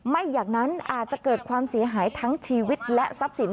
ไม่อย่างนั้นอาจจะเกิดความเสียหายทั้งชีวิตและทรัพย์สิน